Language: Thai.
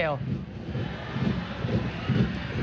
เลยกลายเป็นเสียบอลมิชเชล